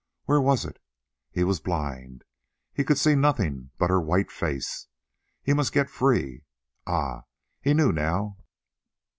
Where was it? He was blind, he could see nothing but her white face. He must get free—ah, he knew now!